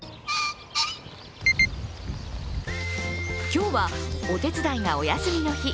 今日は、お手伝いがお休みの日。